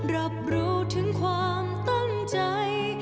รับรู้ถึงความตั้งใจ